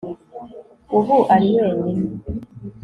Ubu ari wenyine